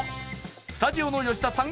スタジオの吉田さん